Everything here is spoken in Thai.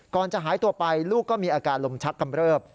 ก่อนจะหายตัวไปลูกก็มีอาการลมชักกำเริบ